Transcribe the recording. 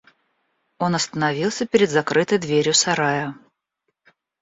Он остановился перед закрытой дверью сарая.